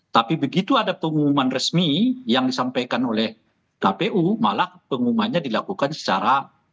tapi begitu ada pengumuman resmi yang disampaikan oleh kpu malah pengumumannya dilakukan secara